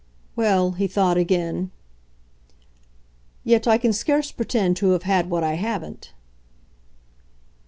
Well, he thought again. "Yet I can scarce pretend to have had what I haven't."